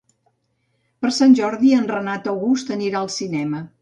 Per Sant Jordi en Renat August anirà al cinema.